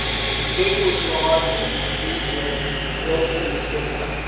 The king was lodged in the cathedral close of the city.